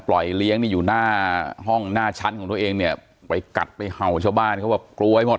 เลี้ยงนี่อยู่หน้าห้องหน้าชั้นของตัวเองเนี่ยไปกัดไปเห่าชาวบ้านเขาแบบกลัวหมด